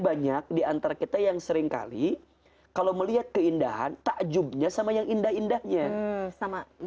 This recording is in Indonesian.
banyak diantara kita yang seringkali kalau melihat keindahan takjubnya sama yang indah indahnya sama